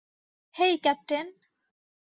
হেই, captain.